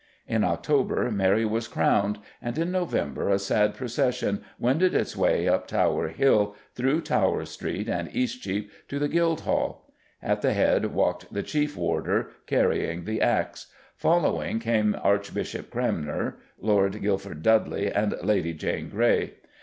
In October Mary was crowned, and in November a sad procession wended its way up Tower Hill, through Tower Street and Eastcheap, to the Guildhall. At the head walked the Chief Warder, carrying the axe; following, came Archbishop Cranmer, Lord Guildford Dudley, and Lady Jane Grey.